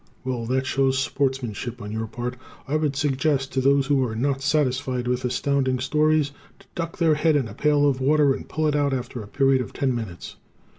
Well, that shows sportsmanship on your part. I would suggest to those who are not satisfied with Astounding Stories to duck their head in a pail of water and pull it out after a period of ten minutes.